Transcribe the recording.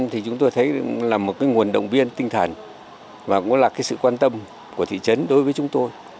thì chúng tôi thấy là một nguồn động viên tinh thần và cũng là cái sự quan tâm của thị trấn đối với chúng tôi